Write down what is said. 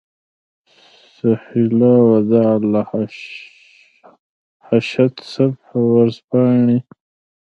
سهیلا وداع له هشت صبح ورځپاڼې.